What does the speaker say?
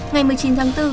ngày một mươi chín tháng bốn